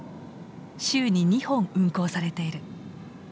週に２本運行されている。